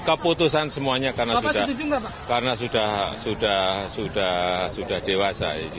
keputusan semuanya karena sudah dewasa